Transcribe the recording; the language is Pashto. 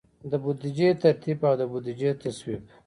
د بودیجې ترتیب او د بودیجې تصویب.